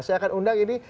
saya akan undang ini